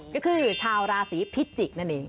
ก็คือชาวราศีพิจิกษ์นั่นเอง